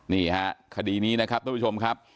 นี่ฮะคดีนี้นะครับทุกผู้ชมครับ